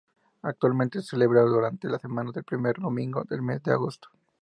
Actualmente se celebra durante la semana del primer domingo del mes de agosto.